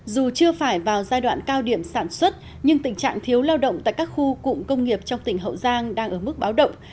dù chưa phải vào giai đoạn cao điểm sản xuất nhưng tình trạng thiếu lao động tại các khu cụm công nghiệp trong tỉnh hậu giang đang ở mức báo động